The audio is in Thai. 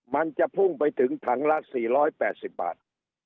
มันจะพุ่งไปถึงถังละ๔๘๐บาท